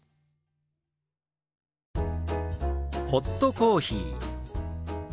「ホットコーヒー」。